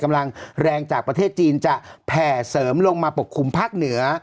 กำลังแรงจากประเทศจีนจะแผ่เสริมลงมาปกคลุมภาคเหนือ